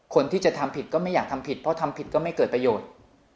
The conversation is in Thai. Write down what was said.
คนที่จะทำผิดก็ไม่อยากทำผิดเพราะทำผิดก็ไม่เกิดประโยชน์